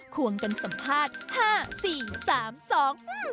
ควรกันสัมภาษณ์๕๔๓๒